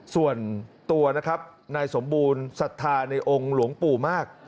ส่วนตัวนะครับนายสมบูรณ์ศรัทธาในองค์หลวงปู่มาก